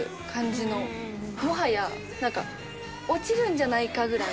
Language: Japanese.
もはやなんか落ちるんじゃないかぐらいの。